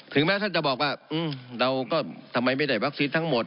แม้ท่านจะบอกว่าเราก็ทำไมไม่ได้วัคซีนทั้งหมด